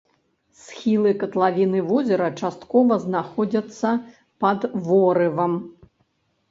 Схілы катлавіны возера часткова знаходзяцца пад ворывам.